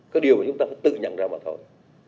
cái điều mà chúng ta phải tự nhận ra mà thôi